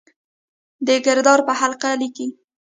د کردار پۀ حقله ليکي: